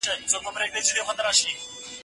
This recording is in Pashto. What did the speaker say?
زه کولای سم پاکوالي وساتم